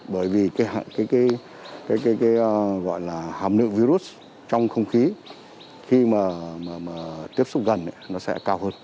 bởi vì cái hàm lượng virus trong không khí khi mà tiếp xúc gần nó sẽ cao hơn